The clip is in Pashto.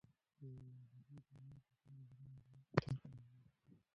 له غلې- دانو ډوډۍ د زړه ناروغۍ خطر کموي.